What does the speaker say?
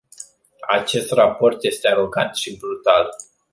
Acest raport este arogant și brutal.